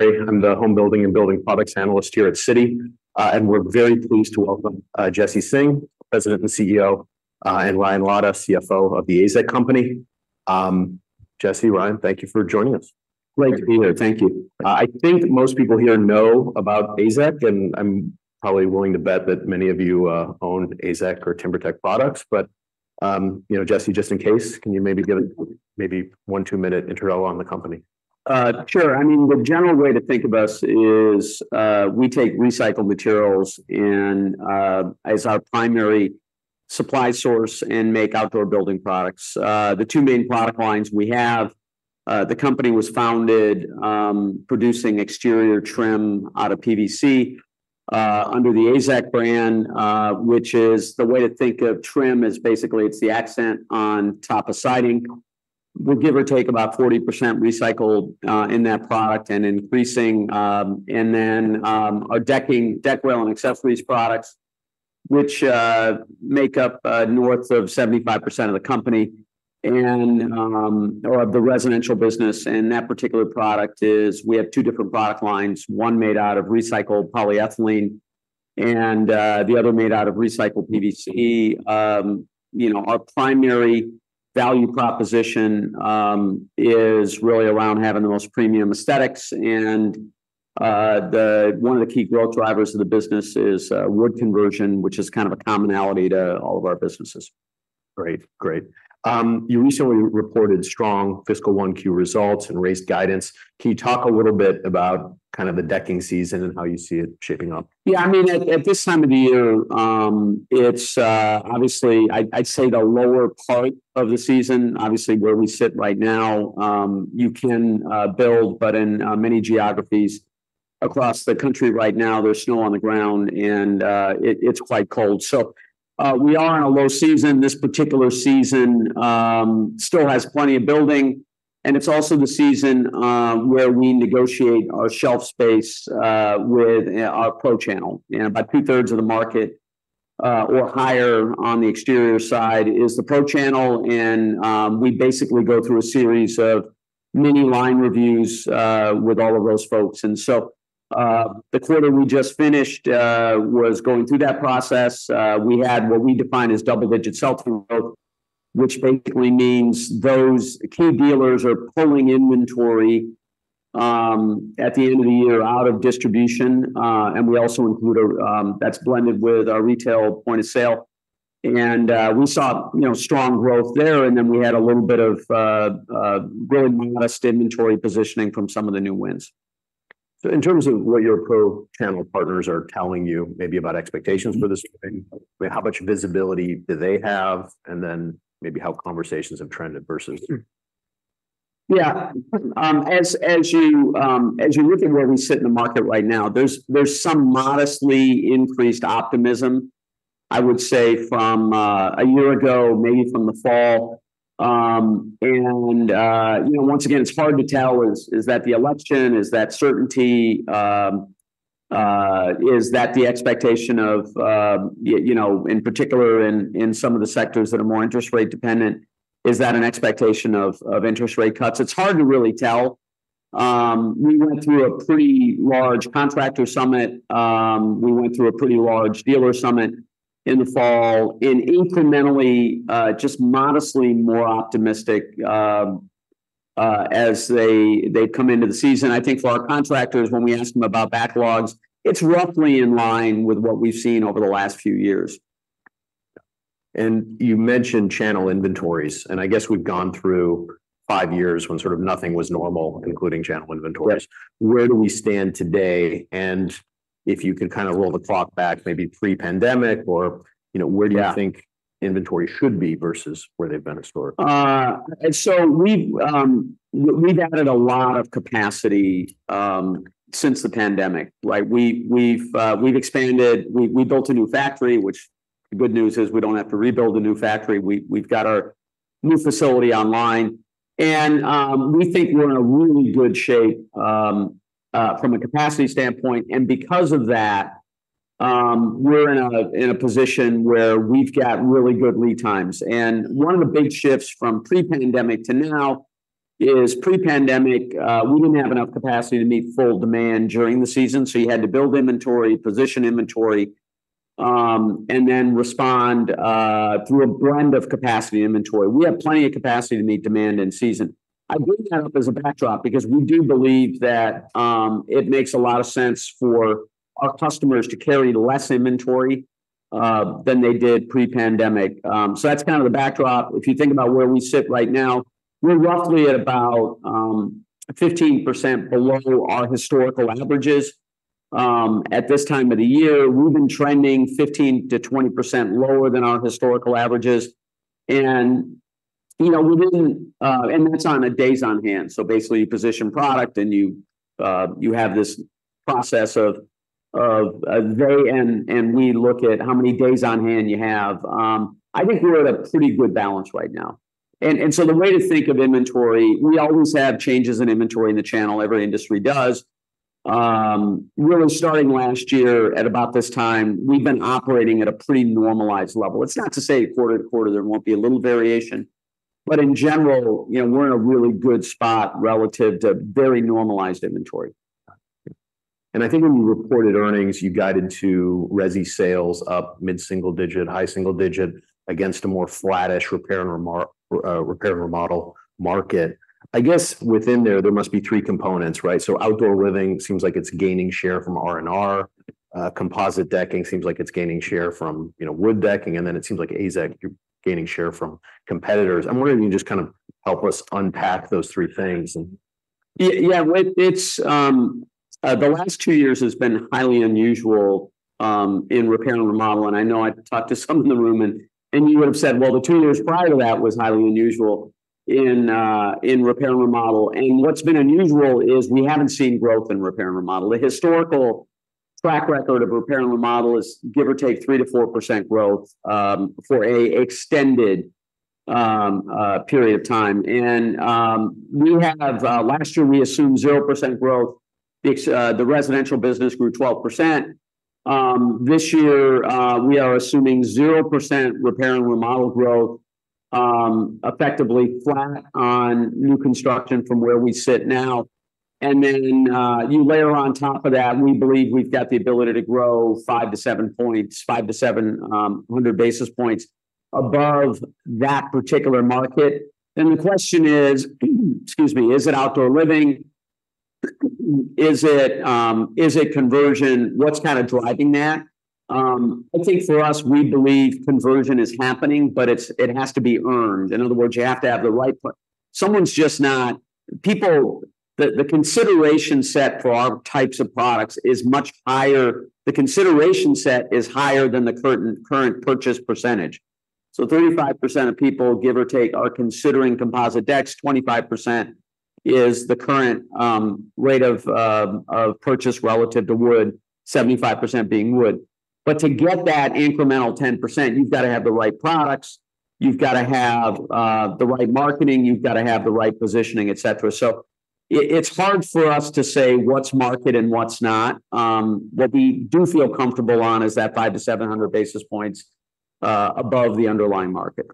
I'm the Home Building and Building Products Analyst here at Citi, and we're very pleased to welcome Jesse Singh, President and CEO, and Ryan Lada, CFO of the AZEK Company. Jesse, Ryan, thank you for joining us. Great to be here. Thank you. I think most people here know about AZEK, and I'm probably willing to bet that many of you own AZEK or TimberTech products. But, Jesse, just in case, can you maybe give us maybe one two-minute intro on the company? Sure. I mean, the general way to think of us is we take recycled materials as our primary supply source and make outdoor building products. The two main product lines we have, the company was founded producing exterior trim out of PVC under the AZEK brand, which is the way to think of trim as basically it's the accent on top of siding. We'll give or take about 40% recycled in that product and increasing. Then our decking deck rail and accessories products, which make up north of 75% of the company or of the residential business. That particular product is we have two different product lines, one made out of recycled polyethylene and the other made out of recycled PVC. Our primary value proposition is really around having the most premium aesthetics. One of the key growth drivers of the business is wood conversion, which is kind of a commonality to all of our businesses. Great. Great. You recently reported strong fiscal 1Q results and raised guidance. Can you talk a little bit about kind of the decking season and how you see it shaping up? Yeah, I mean, at this time of the year, it's obviously, I'd say, the lower part of the season, obviously where we sit right now. You can build, but in many geographies across the country right now, there's snow on the ground and it's quite cold. So we are in a low season. This particular season still has plenty of building, and it's also the season where we negotiate our shelf space with our Pro channel, and about two-thirds of the market or higher on the exterior side is the Pro channel, and we basically go through a series of mini line reviews with all of those folks, and so the quarter we just finished was going through that process. We had what we define as double-digit sales growth, which basically means those key dealers are pulling inventory at the end of the year out of distribution. And we also include that's blended with our retail point of sale. And we saw strong growth there. And then we had a little bit of really modest inventory positioning from some of the new wins. So in terms of what your Pro channel partners are telling you maybe about expectations for this year, how much visibility do they have? And then maybe how conversations have trended versus? Yeah. As you look at where we sit in the market right now, there's some modestly increased optimism, I would say, from a year ago, maybe from the fall. And once again, it's hard to tell. Is that the election? Is that certainty? Is that the expectation of, in particular, in some of the sectors that are more interest rate dependent, is that an expectation of interest rate cuts? It's hard to really tell. We went through a pretty large contractor summit. We went through a pretty large dealer summit in the fall, incrementally, just modestly more optimistic as they come into the season. I think for our contractors, when we ask them about backlogs, it's roughly in line with what we've seen over the last few years. You mentioned channel inventories, and I guess we've gone through five years when sort of nothing was normal, including channel inventories. Where do we stand today, and if you could kind of roll the clock back, maybe pre-pandemic, or where do you think inventory should be versus where they've been historically? We've added a lot of capacity since the pandemic. We've expanded. We built a new factory, which the good news is we don't have to rebuild a new factory. We've got our new facility online. We think we're in a really good shape from a capacity standpoint. Because of that, we're in a position where we've got really good lead times. One of the big shifts from pre-pandemic to now is pre-pandemic, we didn't have enough capacity to meet full demand during the season. You had to build inventory, position inventory, and then respond through a blend of capacity and inventory, We have plenty of capacity to meet demand in season. I bring that up as a backdrop because we do believe that it makes a lot of sense for our customers to carry less inventory than they did pre-pandemic. So that's kind of the backdrop. If you think about where we sit right now, we're roughly at about 15% below our historical averages at this time of the year. We've been trending 15%-20% lower than our historical averages. And that's on a days on hand. So basically, you position product and you have this process of they and we look at how many days on hand you have. I think we're at a pretty good balance right now. And so the way to think of inventory, we always have changes in inventory in the channel. Every industry does. Really starting last year at about this time, we've been operating at a pretty normalized level. It's not to say quarter to quarter there won't be a little variation, but in general, we're in a really good spot relative to very normalized inventory. I think when you reported earnings, you guided to resi sales up mid single digit, high single digit against a more flattish repair and remodel market. I guess within there, there must be three components, right? So outdoor living seems like it's gaining share from R&R. Composite decking seems like it's gaining share from wood decking. And then it seems like AZEK, you're gaining share from competitors. I'm wondering if you can just kind of help us unpack those three things. Yeah, the last two years has been highly unusual in repair and remodel. And I know I talked to some in the room, and you would have said, well, the two years prior to that was highly unusual in repair and remodel. And what's been unusual is we haven't seen growth in repair and remodel. The historical track record of repair and remodel is give or take 3%-4% growth for an extended period of time. And last year, we assumed 0% growth. The residential business grew 12%. This year, we are assuming 0% repair and remodel growth, effectively flat on new construction from where we sit now. And then you layer on top of that, we believe we've got the ability to grow 5-7 points, 5-700 basis points above that particular market. And the question is, excuse me, is it outdoor living? Is it conversion? What's kind of driving that? I think for us, we believe conversion is happening, but it has to be earned. In other words, you have to have the right. Someone's just not. The consideration set for our types of products is much higher. The consideration set is higher than the current purchase percentage. So 35% of people, give or take, are considering composite decks. 25% is the current rate of purchase relative to wood, 75% being wood. But to get that incremental 10%, you've got to have the right products. You've got to have the right marketing. You've got to have the right positioning, etc. So it's hard for us to say what's market and what's not. What we do feel comfortable on is that 5-700 basis points above the underlying market.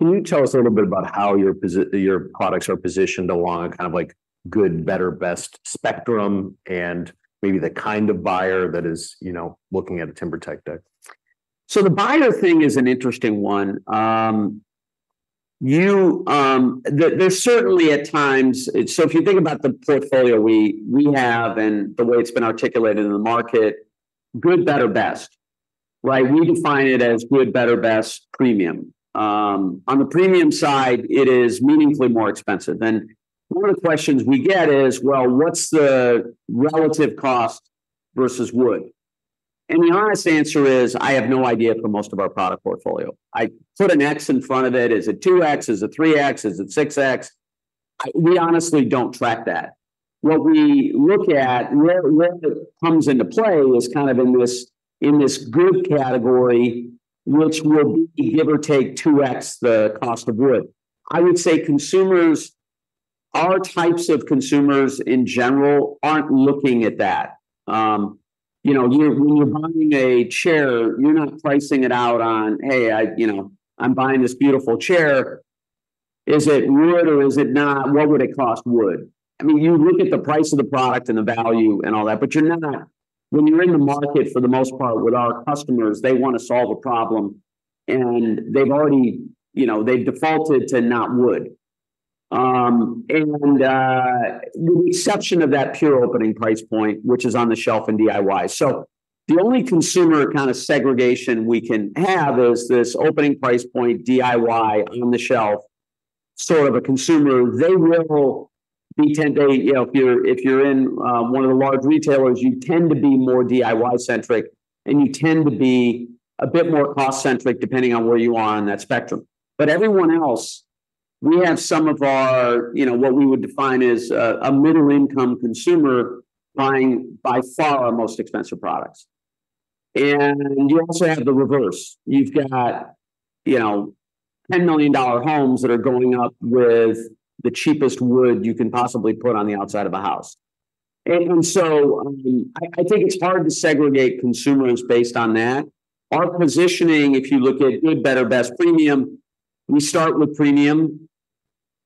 Can you tell us a little bit about how your products are positioned along a kind of good, better, best spectrum and maybe the kind of buyer that is looking at a TimberTech deck? The buyer thing is an interesting one. There's certainly at times, so if you think about the portfolio we have and the way it's been articulated in the market, good, better, best, right? We define it as good, better, best, premium. On the premium side, it is meaningfully more expensive. And one of the questions we get is, well, what's the relative cost versus wood? And the honest answer is, I have no idea for most of our product portfolio. I put an X in front of it. Is it 2X? Is it 3X? Is it 6X? We honestly don't track that. What we look at, where it comes into play is kind of in this good category, which will be give or take 2X the cost of wood. I would say consumers, our types of consumers in general aren't looking at that. When you're buying a chair, you're not pricing it out on, hey, I'm buying this beautiful chair. Is it wood or is it not? What would it cost wood? I mean, you look at the price of the product and the value and all that, but you're not. When you're in the market for the most part with our customers, they want to solve a problem, and they've already defaulted to not wood, and with the exception of that pure opening price point, which is on the shelf and DIY. So the only consumer kind of segregation we can have is this opening price point, DIY, on the shelf, sort of a consumer, They will be 10 days if you're in one of the large retailers, you tend to be more DIY centric, and you tend to be a bit more cost centric depending on where you are on that spectrum, but everyone else, we have some of our what we would define as a middle income consumer buying by far our most expensive products, and you also have the reverse. You've got $10 million homes that are going up with the cheapest wood you can possibly put on the outside of a house, and so I think it's hard to segregate consumers based on that. Our positioning, if you look at good, better, best, premium, we start with premium.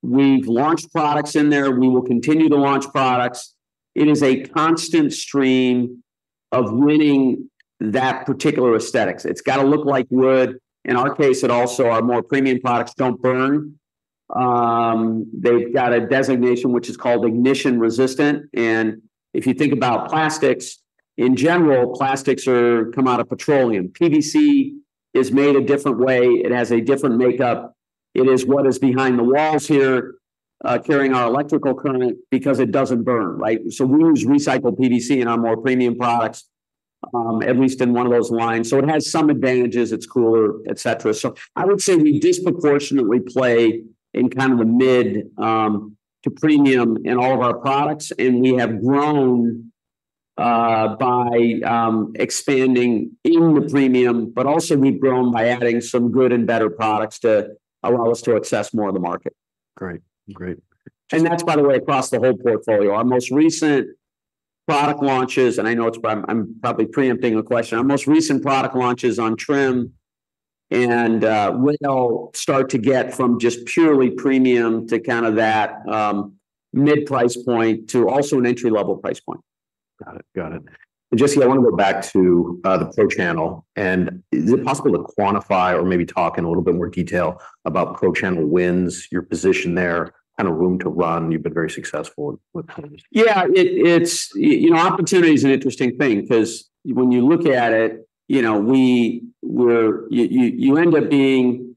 We've launched products in there, We will continue to launch products. It is a constant stream of winning that particular aesthetics it's got to look like wood. In our case, it also, our more premium products don't burn. They've got a designation which is called Ignition Resistant, and if you think about plastics, in general, plastics come out of petroleum PVC is made a different way. It has a different makeup. It is what is behind the walls here carrying our electrical current because it doesn't burn, right, so we use recycled PVC in our more premium products, at least in one of those lines, so it has some advantages it's cooler, etc. So I would say we disproportionately play in kind of the mid to premium in all of our products, and we have grown by expanding in the premium, but also we've grown by adding some good and better products to allow us to access more of the market. Great. Great. That's, by the way, across the whole portfolio. Our most recent product launches, and I know it's probably preempting a question, our most recent product launches on trim and will start to get from just purely premium to kind of that mid price point to also an entry level price point. Got it. Got it. And Jesse, I want to go back to the Pro channel. And is it possible to quantify or maybe talk in a little bit more detail about Pro channel wins, your position there, kind of room to run? You've been very successful with. Yeah. Opportunity is an interesting thing because when you look at it, you end up being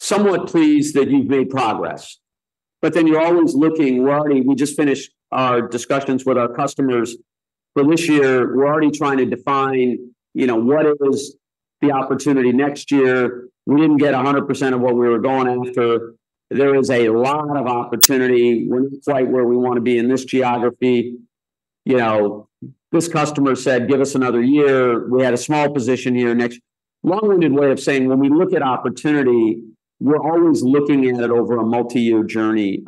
somewhat pleased that you've made progress. But then you're always looking we just finished our discussions with our customers. For this year, we're already trying to define what is the opportunity next year. We didn't get 100% of what we were going after. There is a lot of opportunity. We're not quite where we want to be in this geography. This customer said, give us another year. We had a small position here next. Long-winded way of saying when we look at opportunity, we're always looking at it over a multi-year journey.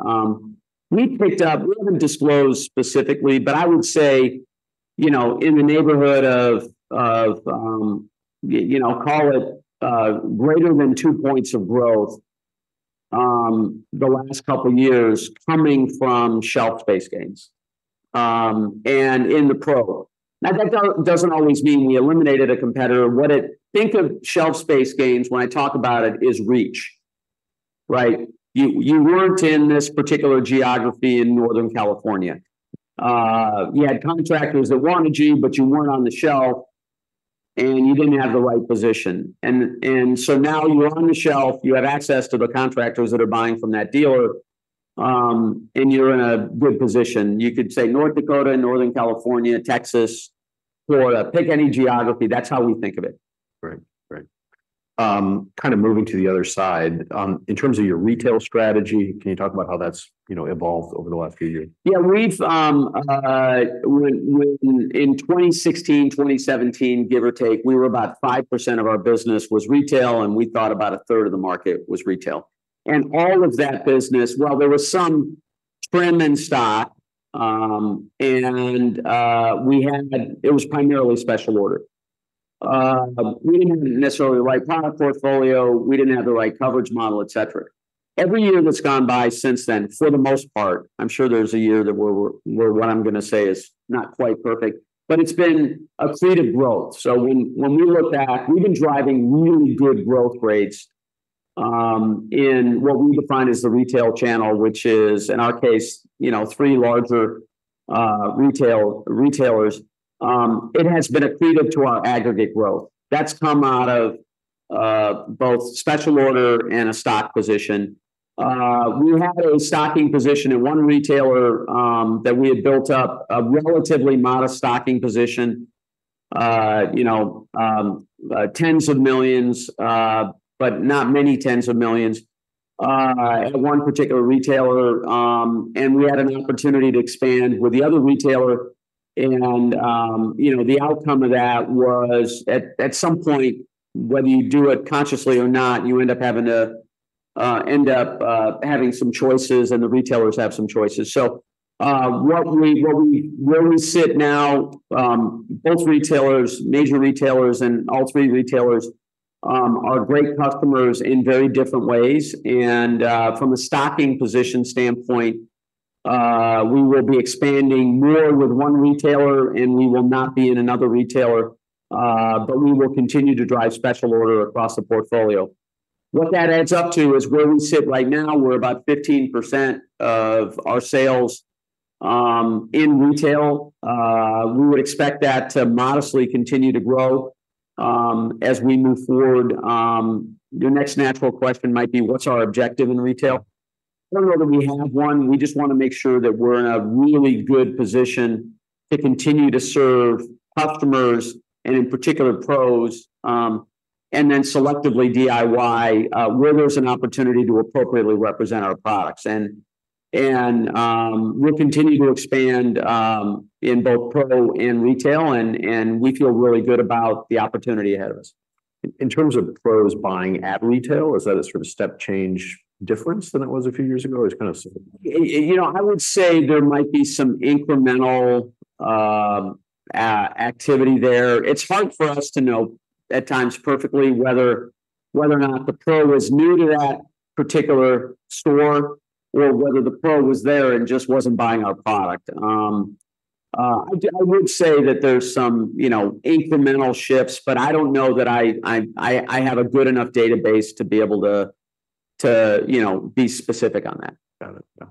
We picked up. We haven't disclosed specifically, but I would say in the neighborhood of, call it greater than two points of growth the last couple of years coming from shelf space gains. And in the pro. Now, that doesn't always mean we eliminated a competitor, Think of shelf space gains, When I talk about it, it is reach, right? You weren't in this particular geography in Northern California. You had contractors that wanted you, but you weren't on the shelf, and you didn't have the right position. And so now you're on the shelf. You have access to the contractors that are buying from that dealer, and you're in a good position. You could say North Dakota, Northern California, Texas, Florida, pick any geography. That's how we think of it. Right. Right. Kind of moving to the other side, in terms of your retail strategy, can you talk about how that's evolved over the last few years? Yeah. In 2016, 2017, give or take, we were about 5% of our business was retail, and we thought about a third of the market was retail. And all of that business, well, there was some trim and stock, and it was primarily special order. We didn't have necessarily the right product portfolio, We didn't have the right coverage model, etc. Every year that's gone by since then, for the most part, I'm sure there's a year that what I'm going to say is not quite perfect, but it's been a creative growth. So when we look back, we've been driving really good growth rates in what we define as the retail channel, which is, in our case, three larger retailers. It has been a creative to our aggregate growth. That's come out of both special order and a stock position. We had a stocking position in one retailer that we had built up, a relatively modest stocking position, $10s of millions, but not many $10s of millions at one particular retailer, and we had an opportunity to expand with the other retailer. And the outcome of that was at some point, whether you do it consciously or not, you end up having to have some choices, and the retailers have some choices, So where we sit now, both retailers, major retailers, and all three retailers are great customers in very different ways, and from a stocking position standpoint, we will be expanding more with one retailer, and we will not be in another retailer, but we will continue to drive special order across the portfolio. What that adds up to is where we sit right now, we're about 15% of our sales in retail. We would expect that to modestly continue to grow as we move forward. Your next natural question might be, what's our objective in retail? I don't know that we have one we just want to make sure that we're in a really good position to continue to serve customers and in particular pros, and then selectively DIY where there's an opportunity to appropriately represent our products, and we'll continue to expand in both pro and retail, and we feel really good about the opportunity ahead of us. In terms of pros buying at retail, is that a sort of step change difference than it was a few years ago? It's kind of. I would say there might be some incremental activity there. It's hard for us to know at times perfectly whether or not the pro was new to that particular store or whether the pro was there and just wasn't buying our product. I would say that there's some incremental shifts, but I don't know that I have a good enough database to be able to be specific on that. Got it.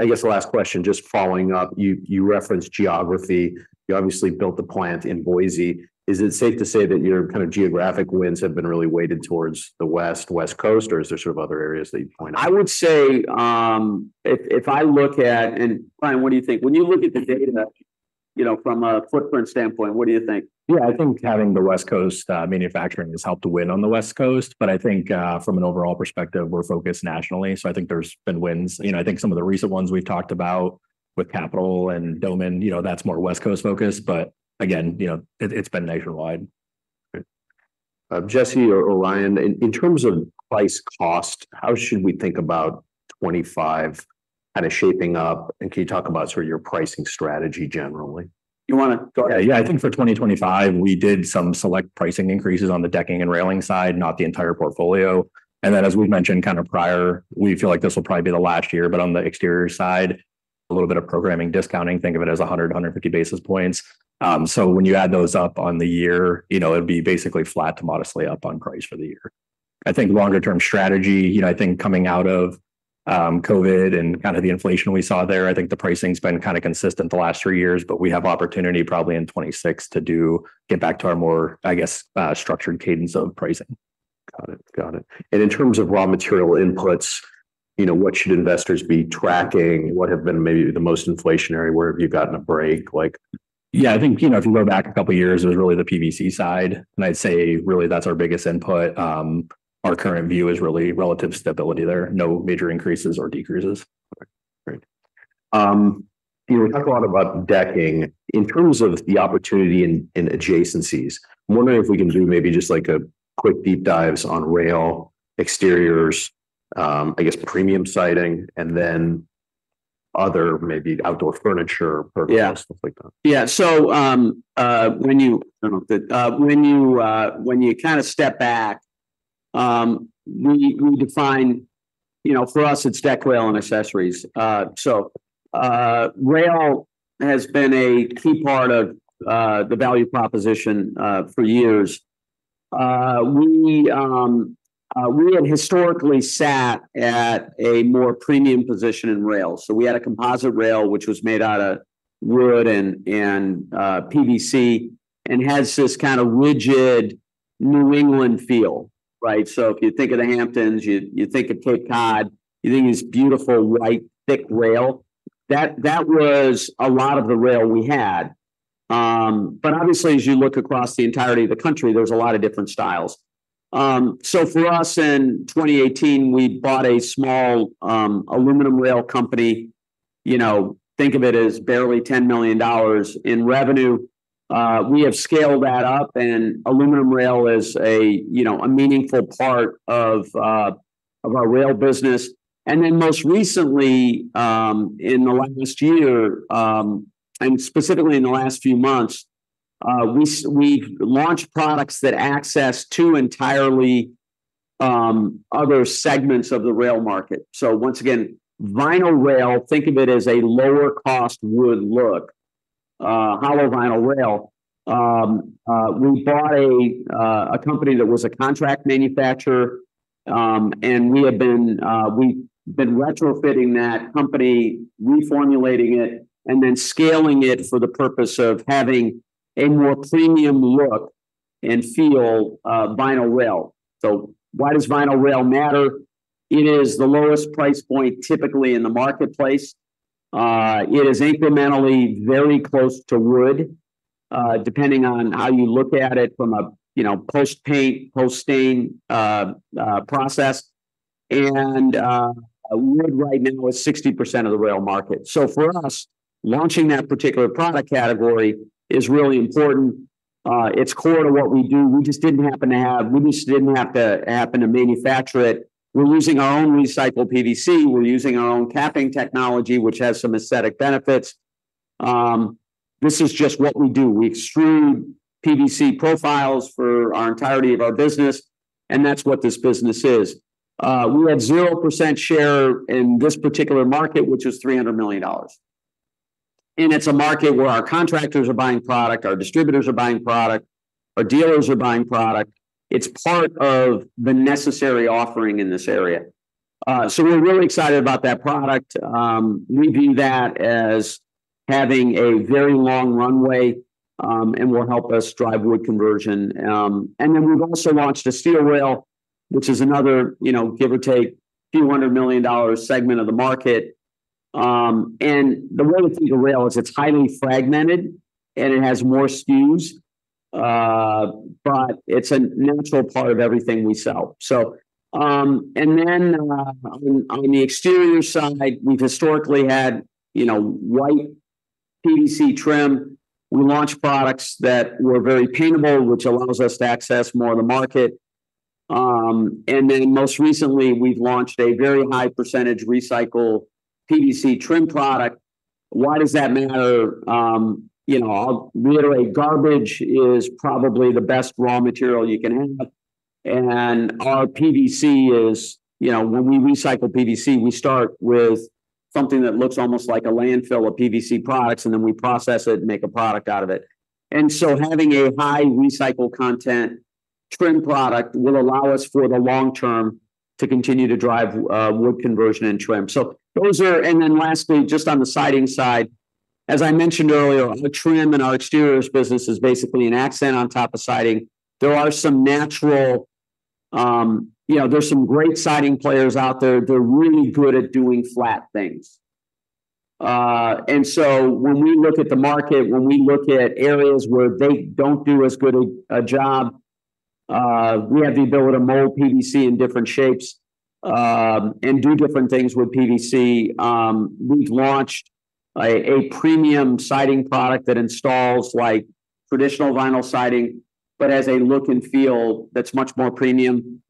I guess the last question, just following up, you referenced geography. You obviously built the plant in Boise. Is it safe to say that your kind of geographic wins have been really weighted towards the West, West Coast, or is there sort of other areas that you point out? I would say, if I look at, and Ryan, what do you think? When you look at the data from a footprint standpoint, what do you think? Yeah, I think having the West Coast manufacturing has helped to win on the West Coast, but I think from an overall perspective, we're focused nationally, So I think there's been wins. I think some of the recent ones we've talked about with Capital and Doman, that's more West Coast focused, but again, it's been nationwide. Jesse or Ryan, in terms of price cost, how should we think about 2025 kind of shaping up? And can you talk about sort of your pricing strategy generally? You want to go ahead. Yeah, I think for 2025, we did some select pricing increases on the decking and railing side, not the entire portfolio. And then, as we've mentioned kind of prior, we feel like this will probably be the last year, but on the exterior side, a little bit of programming discounting, think of it as 100-150 basis points. So when you add those up on the year, it'd be basically flat to modestly up on price for the year. I think longer-term strategy, I think coming out of COVID and kind of the inflation we saw there, I think the pricing has been kind of consistent the last three years, but we have opportunity probably in 2026 to get back to our more, I guess, structured cadence of pricing. Got it. Got it. And in terms of raw material inputs, what should investors be tracking? What have been maybe the most inflationary? Where have you gotten a break? Yeah, I think if you go back a couple of years, it was really the PVC side. And I'd say really that's our biggest input. Our current view is really relative stability there. No major increases or decreases. Great. We talked a lot about decking. In terms of the opportunity and adjacencies, I'm wondering if we can do maybe just like a quick deep dives on rail, exteriors, I guess, premium siding, and then other maybe outdoor furniture purposes, stuff like that. Yeah. So when you kind of step back, we define for us, it's deck rail and accessories. So rail has been a key part of the value proposition for years. We had historically sat at a more premium position in rail. So we had a composite rail, which was made out of wood and PVC and has this kind of rigid New England feel, right? So if you think of the Hamptons, you think of Cape Cod, you think of this beautiful white thick rail. That was a lot of the rail we had. But obviously, as you look across the entirety of the country, there's a lot of different styles. So for us in 2018, we bought a small aluminum rail company. Think of it as barely $10 million in revenue. We have scaled that up, and aluminum rail is a meaningful part of our rail business. And then most recently, in the last year, and specifically in the last few months, we've launched products that access two entirely other segments of the rail market. So once again, vinyl rail, think of it as a lower-cost wood look, hollow vinyl rail. We bought a company that was a contract manufacturer, and we have been retrofitting that company, reformulating it, and then scaling it for the purpose of having a more premium look and feel vinyl rail. So why does vinyl rail matter? It is the lowest price point typically in the marketplace. It is incrementally very close to wood, depending on how you look at it from a post-paint, post-stain process. And wood right now is 60% of the rail market. So for us, launching that particular product category is really important. It's core to what we do, we just didn't happen to have to manufacture it. We're using our own recycled PVC. We're using our own capping technology, which has some aesthetic benefits. This is just what we do. We extrude PVC profiles for the entirety of our business, and that's what this business is. We have 0% share in this particular market, which is $300 million, and it's a market where our contractors are buying product, our distributors are buying product, our dealers are buying product. It's part of the necessary offering in this area, so we're really excited about that product. We view that as having a very long runway, and will help us drive wood conversion, and then we've also launched a steel rail, which is another, give or take, few hundred million dollars segment of the market. And the way to think of rail is it's highly fragmented, and it has more SKUs, but it's a natural part of everything we sell. And then on the exterior side, we've historically had white PVC trim. We launched products that were very paintable, which allows us to access more of the market. And then most recently, we've launched a very high percentage recycled PVC trim product. Why does that matter? I'll reiterate, garbage is probably the best raw material you can have. And our PVC is when we recycle PVC, we start with something that looks almost like a landfill of PVC products, and then we process it and make a product out of it. And so having a high recycled content trim product will allow us for the long term to continue to drive wood conversion and trim. Then lastly, just on the siding side, as I mentioned earlier, our trim and our exteriors business is basically an accent on top of siding. There are some great siding players out there. They're really good at doing flat things. So when we look at the market, when we look at areas where they don't do as good a job, we have the ability to mold PVC in different shapes and do different things with PVC. We've launched a premium siding product that installs traditional vinyl siding, but has a look and feel that's much more premium.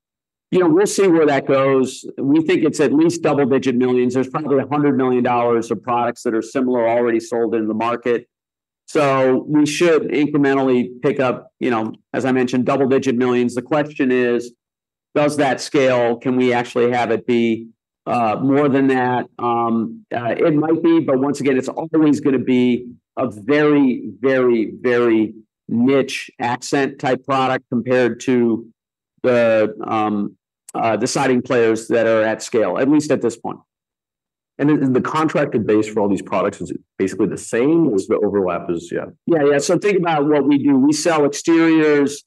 We'll see where that goes. We think it's at least double-digit millions. There's probably $100 million of products that are similar already sold in the market. So we should incrementally pick up, as I mentioned, double-digit millions the question is, does that scale? Can we actually have it be more than that? It might be, but once again, it's always going to be a very, very, very niche accent type product compared to the siding players that are at scale, at least at this point. The contracted base for all these products is basically the same, or the overlap is, yeah. Yeah, yeah. So think about what we do. We sell exteriors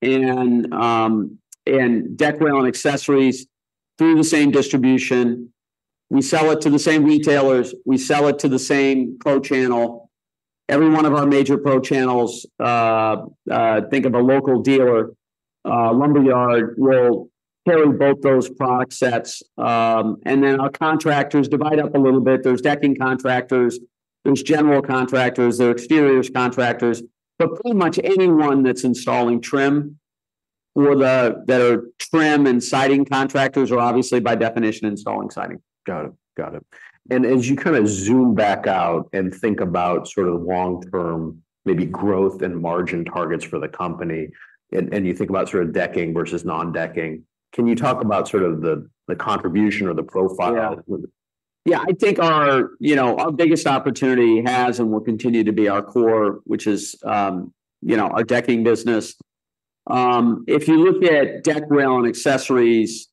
and deck rail and accessories through the same distribution. We sell it to the same retailers. We sell it to the same Pro channel. Every one of our major Pro channels, think of a local dealer, lumber yard, will carry both those product sets. And then our contractors divide up a little bit. There's decking contractors. There's general contractors. There are exteriors contractors. But pretty much anyone that's installing trim or that are trim and siding contractors are obviously by definition installing siding. Got it. Got it. And as you kind of zoom back out and think about sort of long-term maybe growth and margin targets for the company, and you think about sort of decking versus non-decking, can you talk about sort of the contribution or the profile? Yeah. I think our biggest opportunity has and will continue to be our core, which is our decking business. If you look at deck rail and accessories,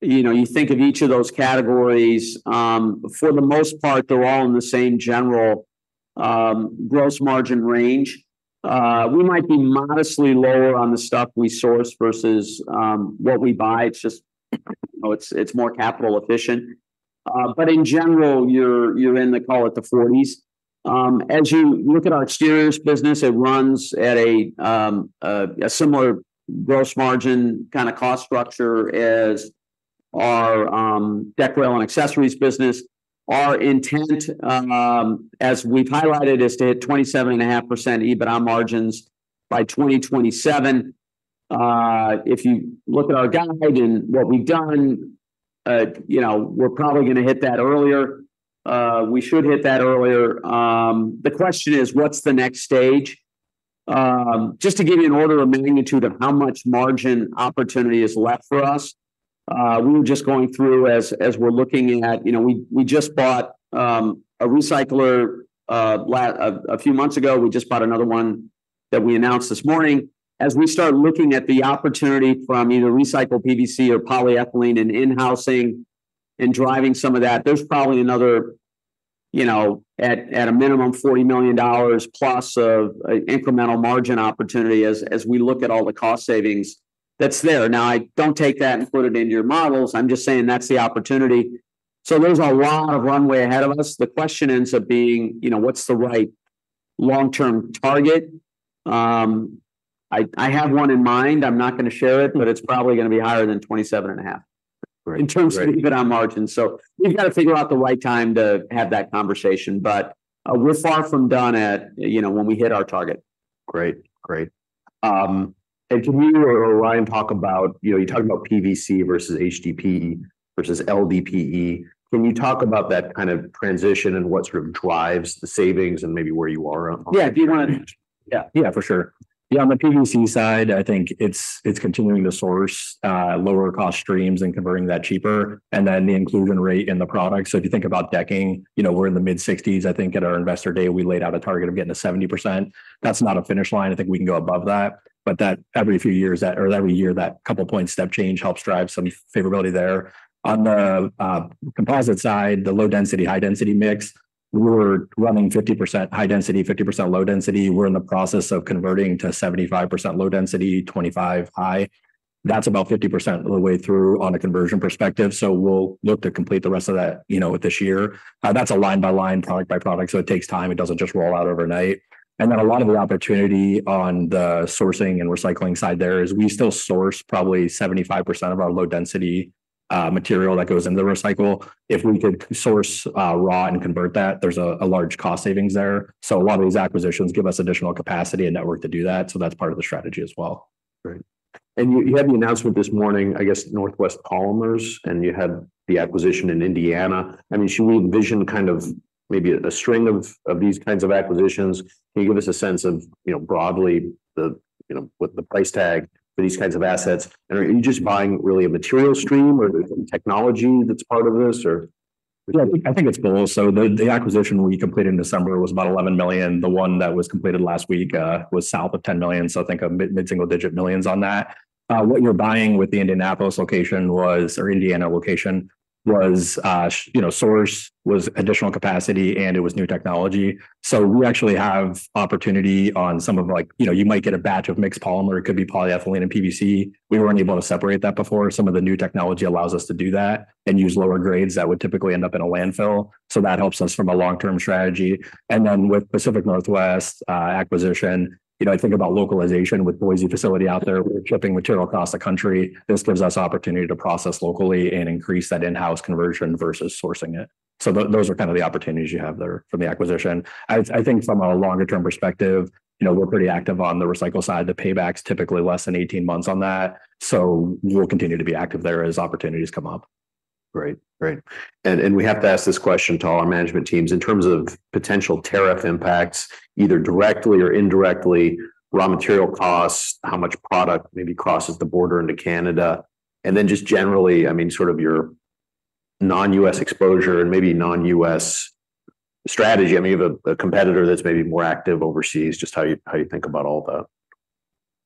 you think of each of those categories. For the most part, they're all in the same general gross margin range. We might be modestly lower on the stuff we source versus what we buy. It's just more capital efficient. But in general, you're in the, call it the 40s. As you look at our exteriors business, it runs at a similar gross margin kind of cost structure as our deck rail and accessories business. Our intent, as we've highlighted, is to hit 27.5% EBITDA margins by 2027. If you look at our guide and what we've done, we're probably going to hit that earlier. We should hit that earlier. The question is, what's the next stage? Just to give you an order of magnitude of how much margin opportunity is left for us, we were just going through as we're looking at we just bought a recycler a few months ago we just bought another one that we announced this morning. As we start looking at the opportunity from either recycled PVC or polyethylene and in-housing and driving some of that, there's probably another at a minimum $40 million plus of incremental margin opportunity as we look at all the cost savings. That's there, Now, I don't take that and put it into your models, I'm just saying that's the opportunity, so there's a lot of runway ahead of us the question ends up being, what's the right long-term target? I have one in mind. I'm not going to share it, but it's probably going to be higher than 27.5% EBITDA margin. So we've got to figure out the right time to have that conversation, but we're far from done when we hit our target. Great. Great. And can you or Ryan talk about you talked about PVC versus HDPE versus LDPE? Can you talk about that kind of transition and what sort of drives the savings and maybe where you are on that? Yeah, if you want to. Yeah, for sure. Yeah, on the PVC side, I think it's continuing to source lower-cost streams and converting that cheaper and then the inclusion rate in the product so if you think about decking, we're in the mid-60s% i think at our investor day, we laid out a target of getting to 70%. That's not a finish line. I think we can go above that. But every few years or every year, that couple of points step change helps drive some favorability there. On the composite side, the low-density, high-density mix, we're running 50% high-density, 50% low-density. We're in the process of converting to 75% low-density, 25% high. That's about 50% of the way through on a conversion perspective, So we'll look to complete the rest of that this year. That's a line-by-line, product-by-product. So it takes time. It doesn't just roll out overnight. And then a lot of the opportunity on the sourcing and recycling side there is we still source probably 75% of our low-density material that goes into the recycle. If we could source raw and convert that, there's a large cost savings there. So a lot of these acquisitions give us additional capacity and network to do that. So that's part of the strategy as well. Great. And you had the announcement this morning, I guess, Northwest Polymers, and you had the acquisition in Indiana. I mean, should we envision kind of maybe a string of these kinds of acquisitions? Can you give us a sense of broadly what the price tag for these kinds of assets? And are you just buying really a material stream, or is it technology that's part of this, or? Yeah, I think it's both. So the acquisition we completed in December was about $11 million, The one that was completed last week was south of $10 million so I think of mid-single-digit millions on that. What you're buying with the Indianapolis location or Indiana location was source, was additional capacity, and it was new technology. So we actually have opportunity on some of you might get a batch of mixed polymer, It could be polyethylene and PVC. We weren't able to separate that before. Some of the new technology allows us to do that and use lower grades that would typically end up in a landfill. So that helps us from a long-term strategy. And then with Pacific Northwest acquisition, I think about localization with Boise facility out there. We're shipping material across the country. This gives us opportunity to process locally and increase that in-house conversion versus sourcing it, So those are kind of the opportunities you have there from the acquisition. I think from a longer-term perspective, we're pretty active on the recycle side the payback's typically less than 18 months on that. So we'll continue to be active there as opportunities come up. Great. Great. And we have to ask this question to all our management teams in terms of potential tariff impacts, either directly or indirectly, raw material costs, how much product maybe crosses the border into Canada. And then just generally, I mean, sort of your non-U.S. exposure and maybe non-U.S. strategy. I mean, you have a competitor that's maybe more active overseas. Just how you think about all the.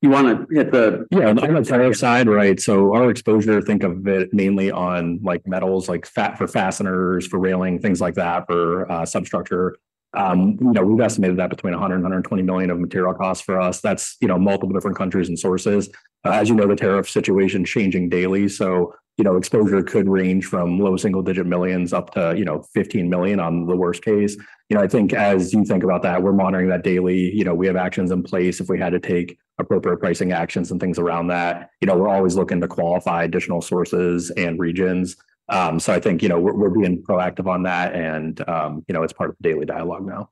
You want to hit the. Yeah, on the tariff side, right? So our exposure, think of it mainly on metals like that for fasteners, for railing, things like that, for substructure. We've estimated that between $100 and $120 million of material costs for us, That's multiple different countries and sources. As you know, the tariff situation is changing daily. So exposure could range from low single-digit millions up to $15 million on the worst case. I think as you think about that, we're monitoring that daily we have actions in place if we had to take appropriate pricing actions and things around that. We're always looking to qualify additional sources and regions. So I think we're being proactive on that, and it's part of the daily dialogue now.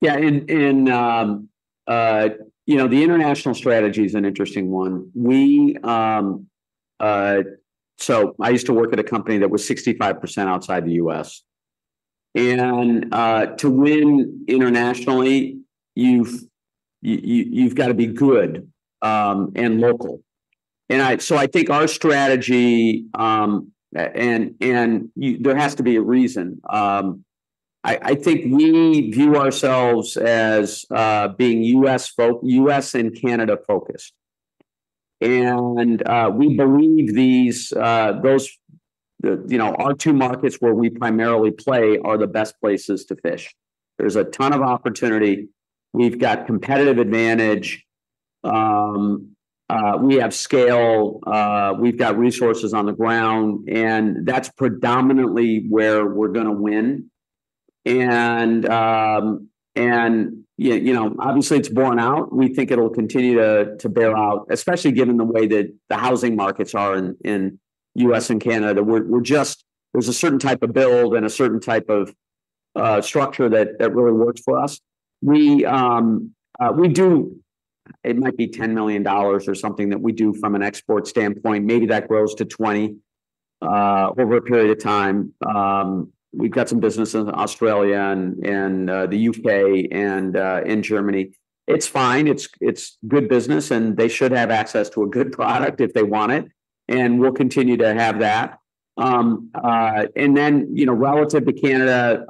Yeah. And the international strategy is an interesting one. So I used to work at a company that was 65% outside the U.S. And to win internationally, you've got to be good and local. And so I think our strategy and there has to be a reason. I think we view ourselves as being U.S. and Canada-focused. And we believe those are two markets where we primarily play are the best places to fish. There's a ton of opportunity. We've got competitive advantage. We have scale. We've got resources on the ground. And that's predominantly where we're going to win. And obviously, it's borne out. We think it'll continue to bear out, especially given the way that the housing markets are in the U.S. and Canada there's a certain type of build and a certain type of structure that really works for us. We do It might be $10 million or something that we do from an export standpoint. Maybe that grows to 20 over a period of time. We've got some business in Australia and the U.K. and in Germany. It's fine. It's good business, and they should have access to a good product if they want it. And we'll continue to have that. And then relative to Canada,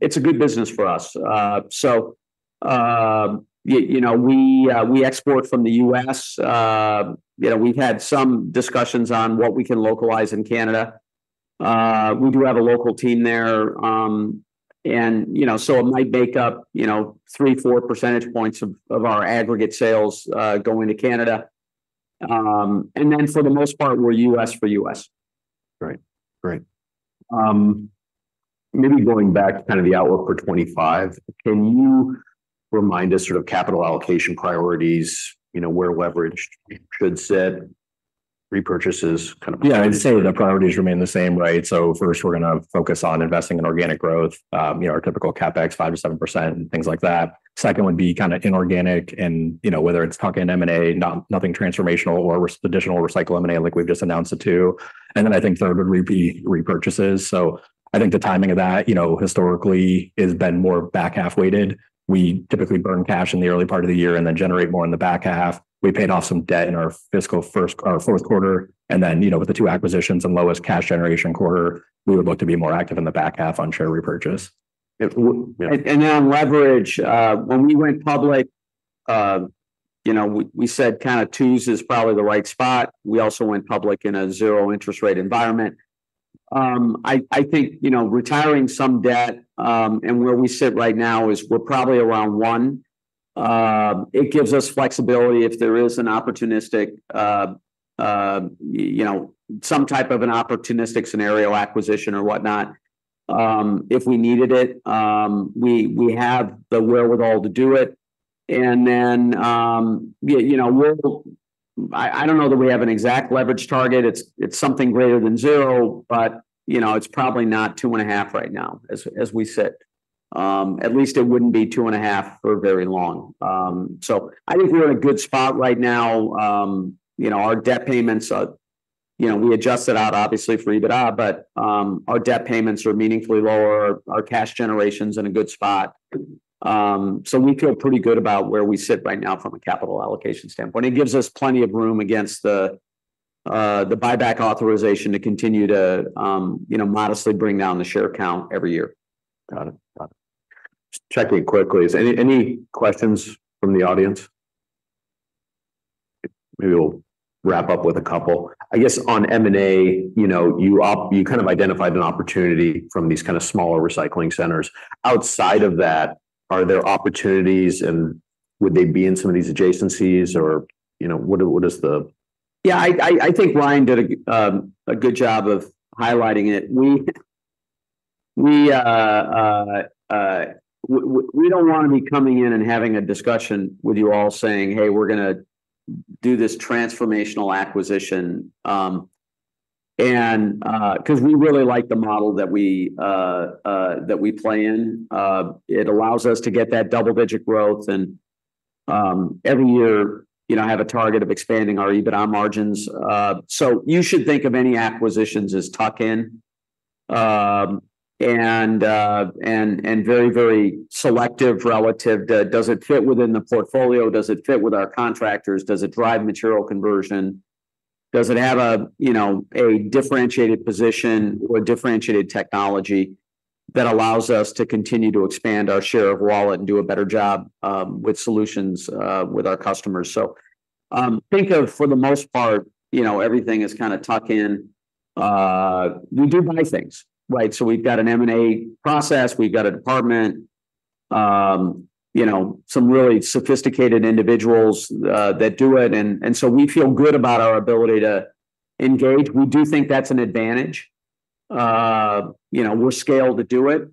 it's a good business for us. So we export from the U.S. We've had some discussions on what we can localize in Canada. We do have a local team there. And so it might make up three, four percentage points of our aggregate sales going to Canada. And then for the most part, we're U.S. for U.S. Great. Great. Maybe going back to kind of the outlook for '25, can you remind us sort of capital allocation priorities, where leverage should sit, repurchases kind of? Yeah. I'd say the priorities remain the same, right? So first, we're going to focus on investing in organic growth, our typical CapEx, 5%-7%, things like that. Second would be kind of inorganic, and whether it's tuck-in M&A, nothing transformational, or additional recycle M&A like we've just announced it too. And then I think third would be repurchases. So I think the timing of that historically has been more back-half weighted. We typically burn cash in the early part of the year and then generate more in the back-half. We paid off some debt in our fiscal first or Q4. And then with the two acquisitions and lowest cash generation quarter, we would look to be more active in the back-half on share repurchase. Then on leverage, when we went public, we said kind of twos is probably the right spot. We also went public in a zero-interest rate environment. I think retiring some debt and where we sit right now is we're probably around one. It gives us flexibility if there is an opportunistic some type of an opportunistic scenario acquisition or whatnot. If we needed it, we have the wherewithal to do it. And then I don't know that we have an exact leverage target. It's something greater than zero, but it's probably not two and a half right now as we sit. At least it wouldn't be two and a half for very long. So I think we're in a good spot right now. Our debt payments, we adjusted out, obviously, for EBITDA, but our debt payments are meaningfully lower, Our cash generation's in a good spot. So we feel pretty good about where we sit right now from a capital allocation standpoint it gives us plenty of room against the buyback authorization to continue to modestly bring down the share count every year. Got it. Got it. Just checking quickly, any questions from the audience? Maybe we'll wrap up with a couple. I guess on M&A, you kind of identified an opportunity from these kind of smaller recycling centers. Outside of that, are there opportunities, and would they be in some of these adjacencies, or what is the? Yeah, I think Ryan did a good job of highlighting it. We don't want to be coming in and having a discussion with you all saying, "Hey, we're going to do this transformational acquisition," because we really like the model that we play in. It allows us to get that double-digit growth. And every year, I have a target of expanding our EBITDA margins. So you should think of any acquisitions as tuck-in and very, very selective relative to does it fit within the portfolio? Does it fit with our contractors? Does it drive material conversion? Does it have a differentiated position or differentiated technology that allows us to continue to expand our share of wallet and do a better job with solutions with our customers. So think of, for the most part, everything is kind of tuck-in. We do buy things, right? So we've got an M&A process we've got a department, some really sophisticated individuals that do it, and so we feel good about our ability to engage we do think that's an advantage. We're scaled to do it.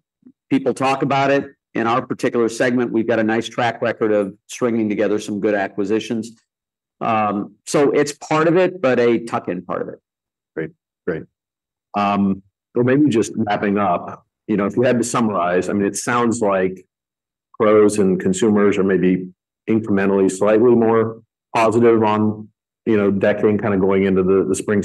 People talk about it. In our particular segment, we've got a nice track record of stringing together some good acquisitions, so it's part of it, but a tuck-in part of it. Great. Great. So maybe just wrapping up, if we had to summarize, I mean, it sounds like pros and consumers are maybe incrementally slightly more positive on decking kind of going into the spring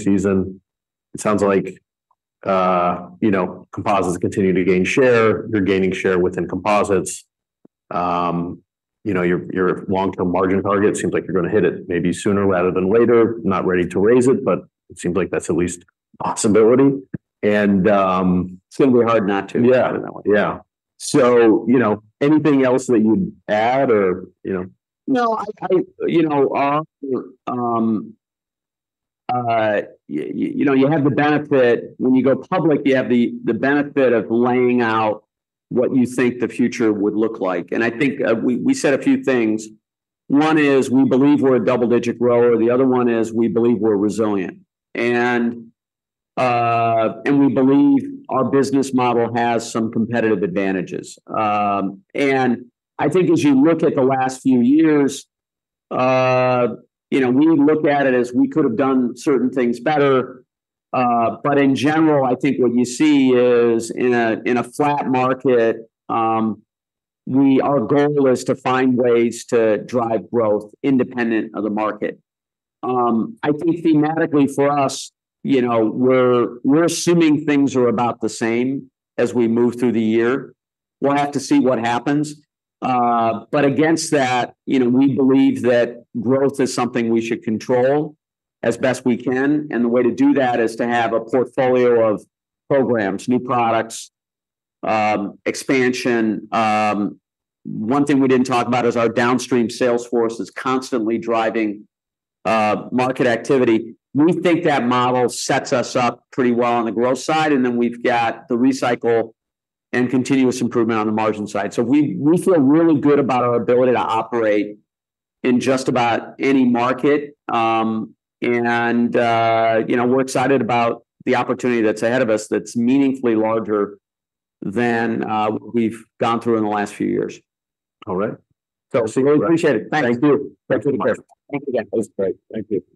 season. It sounds like composites continue to gain share, You're gaining share within composites. Your long-term margin target, it seems like you're going to hit it maybe sooner rather than later, Not ready to raise it, but it seems like that's at least a possibility. And. It's going to be hard not to. Yeah. Yeah. So anything else that you'd add or? No, you have the benefit when you go public, you have the benefit of laying out what you think the future would look like, And I think we said a few things. One is we believe we're a double-digit grower the other one is we believe we're resilient. And we believe our business model has some competitive advantages. And I think as you look at the last few years, we look at it as we could have done certain things better. But in general, I think what you see is in a flat market, our goal is to find ways to drive growth independent of the market. I think thematically for us, we're assuming things are about the same as we move through the year. We'll have to see what happens. But against that, we believe that growth is something we should control as best we can, And the way to do that is to have a portfolio of programs, new products, expansion. One thing we didn't talk about is our downstream sales force is constantly driving market activity. We think that model sets us up pretty well on the growth side and then we've got the recycle and continuous improvement on the margin side. So we feel really good about our ability to operate in just about any market. And we're excited about the opportunity that's ahead of us that's meaningfully larger than what we've gone through in the last few years. All right. So we appreciate it. Thanks. Thank you. Take care. Thank you again. It was great. Thank you.